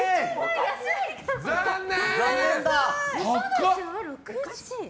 残念！